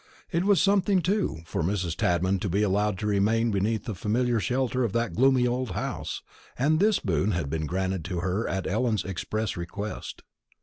It was something, too, for Mrs. Tadman to be allowed to remain beneath the familiar shelter of that gloomy old house, and this boon had been granted to her at Ellen's express request.